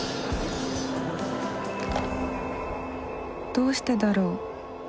どうしてだろう。